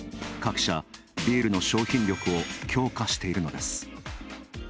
各社、ビールの商品力を強化しているのです。